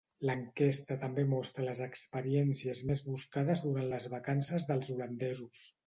L'enquesta també mostra les experiències més buscades durant les vacances dels holandesos.